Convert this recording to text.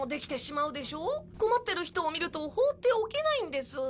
困ってる人を見ると放っておけないんです。